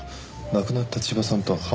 亡くなった千葉さんと浜